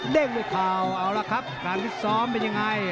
เล่นไปข่าวอ๋อล่ะครับการทริกซ้อมเป็นยังไง